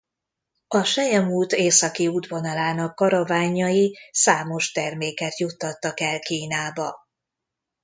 A selyemút északi útvonalának karavánjai számos terméket juttattak el Kínába.